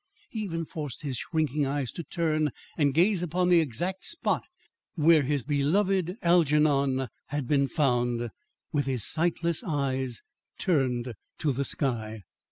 He even forced his shrinking eyes to turn and gaze upon the exact spot where his beloved Algernon had been found, with his sightless eyes turned to the sky.